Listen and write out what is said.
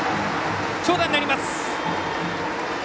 長打になります。